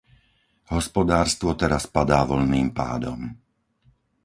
Hospodárstvo teraz padá voľným pádom.